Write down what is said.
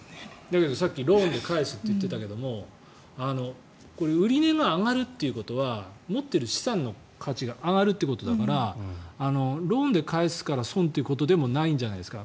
さっきローンで返すって言ってたけども売り値が上がるということは持っている資産の価値が上がるということだからローンで返すから損ということでもないんじゃないですか。